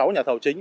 sáu nhà thầu chính